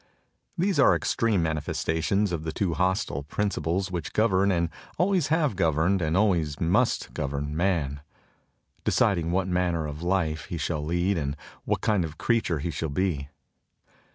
These are extreme manifestations of the two hostile principles which govern and always have governed and always must govern man, deciding what manner of life he shall lead and what kind of a creature he shall be.